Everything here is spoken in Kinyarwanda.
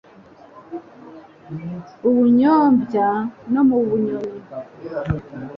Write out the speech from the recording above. UBUNYOMBYA NO MU BUNYONI.